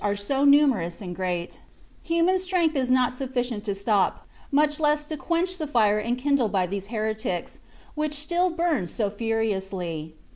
are so numerous and great, human strength is not sufficient to stop, much less to quench the fire enkindled by these heretics, which still burns so furiously.